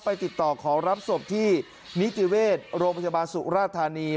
ติดต่อขอรับศพที่นิติเวชโรงพยาบาลสุราธานี